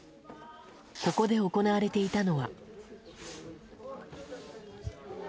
ここで行われていたのは。